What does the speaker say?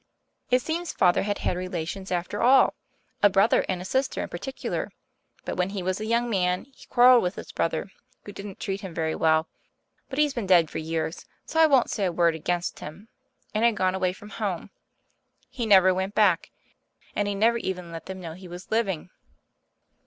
It seems Father had had relations after all a brother and a sister in particular. But when he was a young man he quarrelled with his brother, who didn't treat him very well but he's been dead for years, so I won't say a word against him and had gone away from home. He never went back, and he never even let them know he was living.